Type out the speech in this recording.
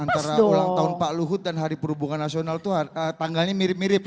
antara ulang tahun pak luhut dan hari perhubungan nasional itu tanggalnya mirip mirip ya